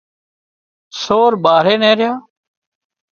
سور ٻاري نيهريا